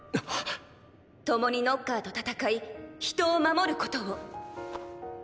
共にノッカーと戦い人を守ることを！